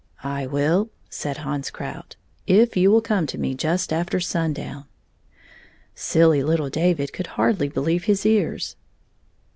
" I will," said Hans Krout, " if you will come to me just after sundown." Silly little David could hardly believe his ears.